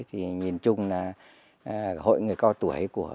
thì nhìn chung là hội người cao tuổi của